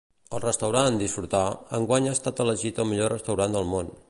El restaurant "Disfrutar" enguany ha estat elegit el millor restaurant del món